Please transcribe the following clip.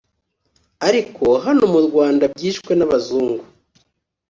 Ariko hano mu Rwanda byishwe n’abazungu